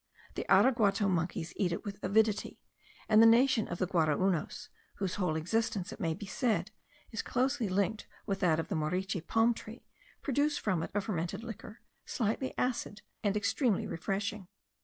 The araguato monkeys eat it with avidity; and the nation of the Guaraounos, whose whole existence, it may be said, is closely linked with that of the moriche palm tree, produce from it a fermented liquor, slightly acid, and extremely refreshing.